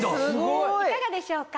いかがでしょうか？